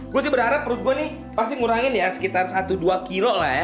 gue sih berharap perut gue nih pasti ngurangin ya sekitar satu dua kilo lah ya